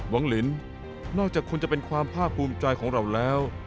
ลินนอกจากคุณจะเป็นความภาคภูมิใจของเราแล้ว